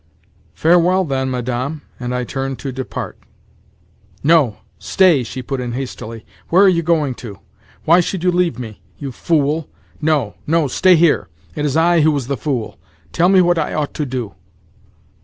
"Farewell, then, Madame." And I turned to depart. "No—stay," she put in hastily. "Where are you going to? Why should you leave me? You fool! No, no... stay here. It is I who was the fool. Tell me what I ought to do."